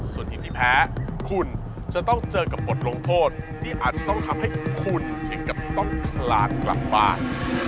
ส่วนทีมที่แพ้คุณจะต้องเจอกับบทลงโทษที่อาจจะต้องทำให้คุณถึงกับต้องคลานกลับบ้าน